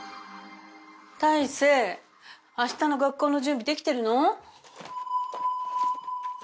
大生あしたの学校の準備できてるの？